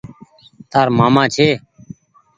تآر مآمآ ڇي۔